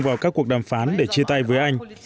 vào các cuộc đàm phán để chia tay với anh